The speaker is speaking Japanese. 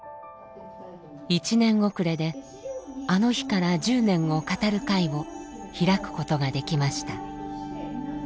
１年遅れで「あの日から１０年」を語る会を開くことができました。